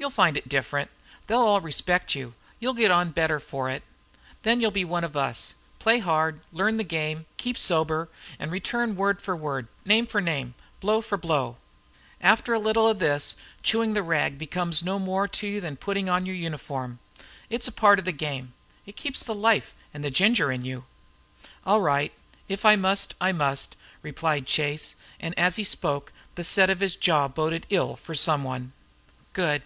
"You'll find it different. They'll all respect you; you'll get on better for it. Then you'll be one of us. Play hard, learn the game, keep sober and return word for word, name for name, blow for blow. After a little this chewing the rag becomes no more to you than the putting on of your uniform. It's part of the game. It keeps the life and ginger in you." "All right. If I must I must," replied Chase, and as he spoke the set of his jaw boded ill to some one. "Good.